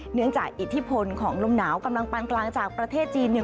เนื่องจากอิทธิพลของลมหนาวกำลังปานกลางจากประเทศจีนเนี่ย